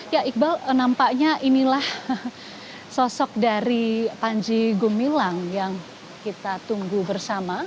ya iqbal nampaknya inilah sosok dari panji gumilang yang kita tunggu bersama